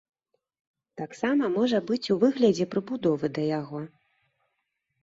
Таксама можа быць ў выглядзе прыбудовы да яго.